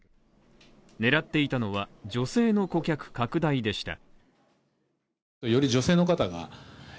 狙っていたのは女性の顧客拡大でした。